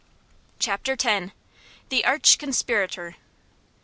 Chapter X. The Arch Conspirator.